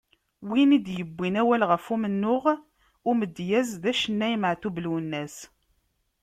Win i d-yewwin awal ɣef umennuɣ n umedyaz d ucennay Meɛtub Lwennas.